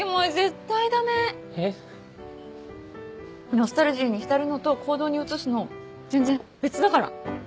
ノスタルジーに浸るのと行動に移すの全然別だから。